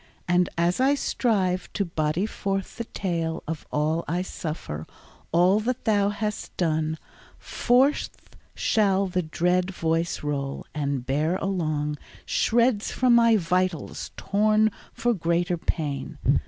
And as I strive to body forth the tale Of all I suffer, all that thou hast done, Forth shall the dread voice roll, and bear along Shreds from my vitals torn for greater pain.